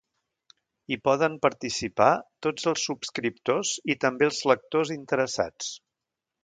Hi poden participar tots els subscriptors i també els lectors interessats.